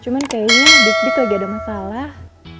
cuman kayaknya big dik lagi ada masalah